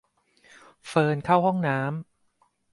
เฟิร์นเข้าห้องน้ำ